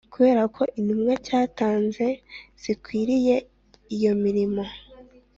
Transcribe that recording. Kureba ko intumwa cyatanze zikwiriye iyo mirimo